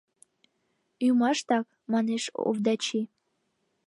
— Ӱмаштак, — манеш Овдачи.